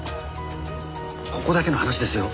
ここだけの話ですよ。